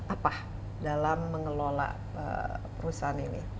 apa dalam mengelola perusahaan ini